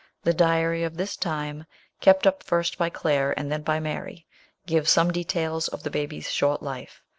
The diary of this time, kept up first by Claire, and then by Mary, gives some details of the baby's short life.